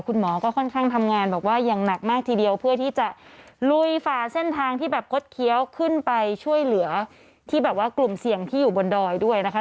คุณหมอก็ค่อนข้างทำงานแบบว่าอย่างหนักมากทีเดียวเพื่อที่จะลุยฝ่าเส้นทางที่แบบคดเคี้ยวขึ้นไปช่วยเหลือที่แบบว่ากลุ่มเสี่ยงที่อยู่บนดอยด้วยนะคะ